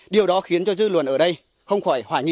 điều đó khiến cho dư luận ở đây không khỏi hỏa nhi